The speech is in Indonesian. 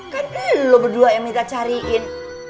kan lu berdua yang minta cariin